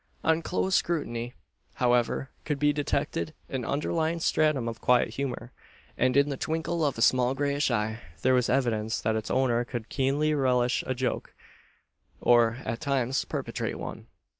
On close scrutiny, however, could be detected an underlying stratum of quiet humour; and in the twinkle of a small greyish eye there was evidence that its owner could keenly relish a joke, or, at times, perpetrate one.